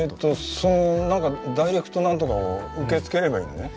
そのダイレクトなんとかを受け付ければいいのね？